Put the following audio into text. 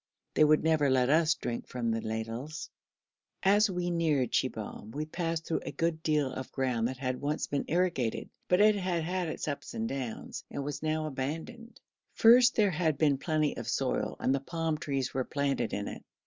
They would never let us drink from the ladles. As we neared Shibahm we passed through a good deal of ground that had once been irrigated, but it had had its ups and downs, and was now abandoned. First there had been plenty of soil and the palm trees were planted in it.